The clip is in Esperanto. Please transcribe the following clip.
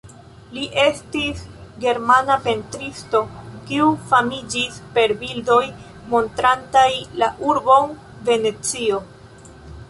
Li estis germana pentristo kiu famiĝis per bildoj montrantaj la urbon Venecio.